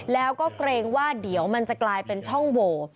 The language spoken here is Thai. แล้วก็เกรงว่าเดี๋ยวมันจะกลายเป็นช่องโหว